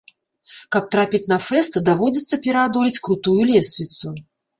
Каб трапіць на фэст, даводзіцца пераадолець крутую лесвіцу.